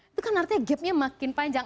itu kan artinya gapnya makin panjang